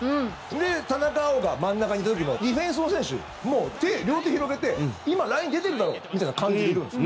で、田中碧が真ん中にいた時もディフェンスの選手もう両手広げて今、ライン出てるだろみたいな感じでいるんです。